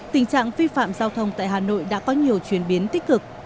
tình trạng vi phạm giao thông tại hà nội đã có nhiều chuyển biến tích cực